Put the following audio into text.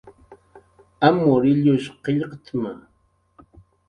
Amur illush qillqt'ma